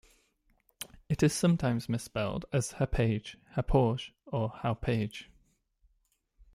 It is sometimes misspelled as Happage, Happauge, or Hauppage.